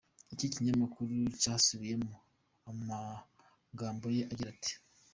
Iki kinyamakuru cyasubiyemo amagambo ye agira ati:.